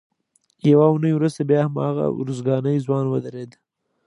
یوه اونۍ وروسته بیا هماغه ارزګانی ځوان ودرېد.